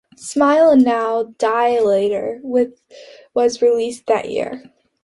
"Smile Now Die Later" was released that year.